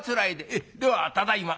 ええではただいま」。